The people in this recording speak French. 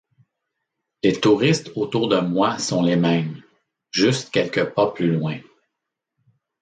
Les touristes autour de moi sont les mêmes, juste quelques pas plus loin.